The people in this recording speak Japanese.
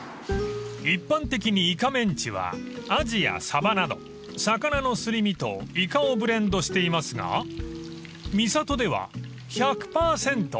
［一般的にイカメンチはアジやサバなど魚のすり身とイカをブレンドしていますが味里では］